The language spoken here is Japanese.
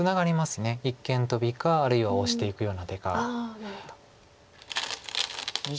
一間トビかあるいはオシていくような手か。